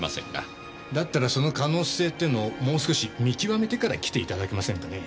だったらその可能性ってのをもう少し見極めてから来ていただけませんかね。